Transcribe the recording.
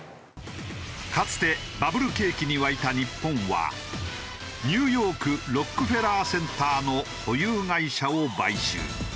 かつてバブル景気に沸いた日本はニューヨークロックフェラーセンターの保有会社を買収。